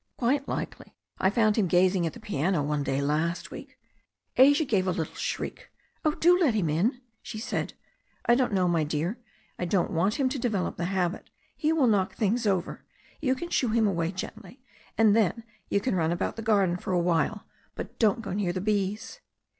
"Quite likely. I found him gazing at the piano one day last week." Asia gave a little shriek. "Oh, do let him," she said. "I don't know, my dear. I don't want him to develop the habit. He will knock things over. You can shoo him away gently. And then you can run about the garden for a while. But don't go near the bees."